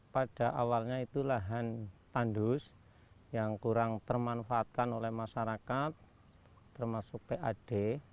pada awalnya itu lahan tandus yang kurang termanfaatkan oleh masyarakat termasuk pad